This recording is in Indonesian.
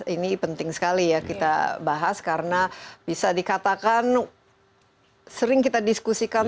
ini penting sekali ya kita bahas karena bisa dikatakan sering kita diskusikan